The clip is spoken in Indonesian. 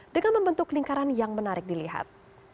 dengan membentuk lingkaran yang menarik dilihat